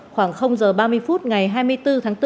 khoảng giờ ba mươi phút ngày hai mươi tháng